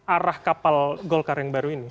arah kapal golkar yang baru ini